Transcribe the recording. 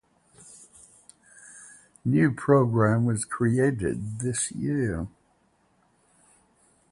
New program was created this year.